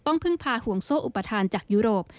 พึ่งพาห่วงโซ่อุปทานจากยุโรป